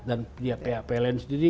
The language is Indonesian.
dan pihak pln sendiri